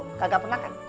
nggak pernah kan